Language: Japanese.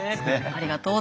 「ありがとう。